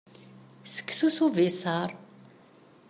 Seksu s ubiṣar.